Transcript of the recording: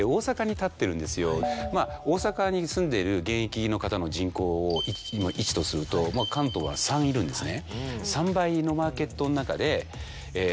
まぁ大阪に住んでいる現役の方の人口を１とすると関東は３いるんですね。